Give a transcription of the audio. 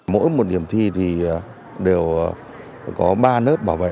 mỗi một điểm thi đều có ba nớp bảo vệ